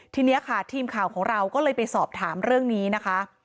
ทีนี้ค่ะทีมข่าวของเราก็เลยไปสอบถามเรื่องนี้นะคะ